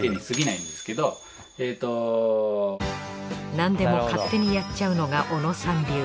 何でも勝手にやっちゃうのが小野さん流。